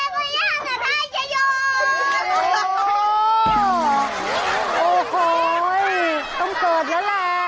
โอ้โฮต้องเกิดยาลา